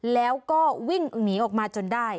แล้วก็วิ่งหนีออกมาจนได้